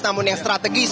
namun yang strategis